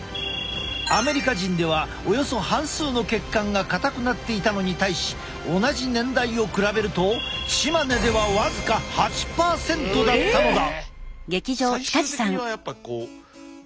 アメリカ人ではおよそ半数の血管が硬くなっていたのに対し同じ年代を比べるとチマネでは僅か８％だったのだ。